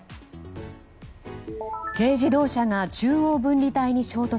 軽自動車が中央分離帯に衝突。